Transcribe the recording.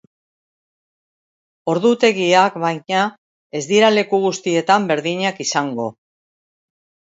Ordutegiak, baina, ez dira leku guztietan berdinak izango.